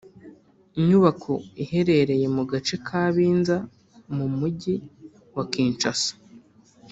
inyubako iherereye mu gace ka Binza mu mujyi wa Kinshasa